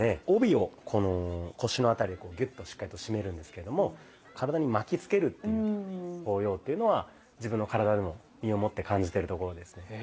帯をこの腰の辺りでこうギュッとしっかりと締めるんですけども体に巻きつける効用っていうのは自分の体でも身をもって感じてるところですね。